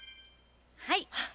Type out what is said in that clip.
はい。